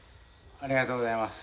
ありがとうございます。